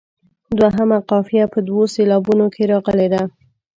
دوهمه قافیه په دوو سېلابونو کې راغلې ده.